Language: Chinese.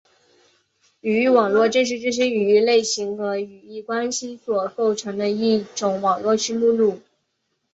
语义网络正是这些语义类型和语义关系所构成的一种网络式目录。